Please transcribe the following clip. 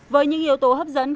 với những yếu tố hấp dẫn không